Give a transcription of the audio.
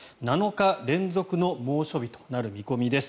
７日連続の猛暑日となる見込みです。